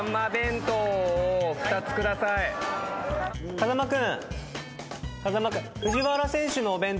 風間君。